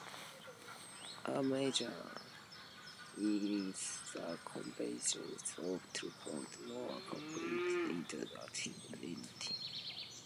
A merger is the combination of two or more companies into a single entity.